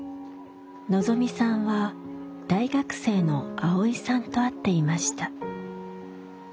のぞみさんは大学生のアオイさんと会っていました。